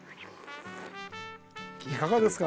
いかがですか？